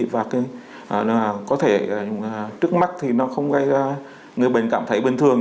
và có thể trước mắt thì nó không gây người bệnh cảm thấy bình thường